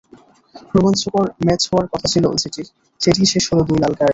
রোমাঞ্চকর ম্যাচ হওয়ার কথা ছিল যেটির, সেটিই শেষ হলো দুই লাল কার্ডে।